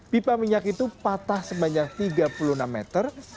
pipa minyak itu patah sebanyak tiga puluh enam meter